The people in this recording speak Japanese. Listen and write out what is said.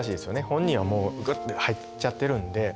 本人はもうグッと入っちゃってるんで。